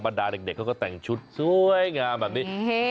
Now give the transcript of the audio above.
ดาเด็กเขาก็แต่งชุดสวยงามแบบนี้